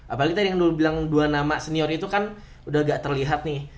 apalagi tadi yang dulu bilang dua nama senior itu kan udah gak terlihat nih